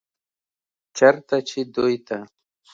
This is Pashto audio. چرته چې دوي ته